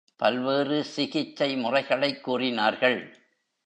பல்வேறு சிகிச்சை முறைகளைக் கூறினார்கள்.